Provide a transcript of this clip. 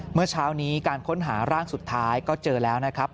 เมื่อเช้านี้การค้นหาร่างสุดท้ายก็เจอแล้วนะครับ